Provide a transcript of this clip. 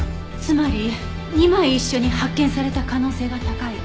つまり２枚一緒に発券された可能性が高い。